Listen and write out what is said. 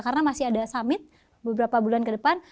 karena masih ada summit beberapa bulan ke depan